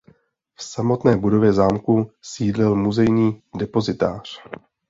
V samotné budově zámku sídlil muzejní depozitář.